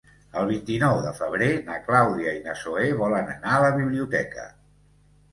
El vint-i-nou de febrer na Clàudia i na Zoè volen anar a la biblioteca.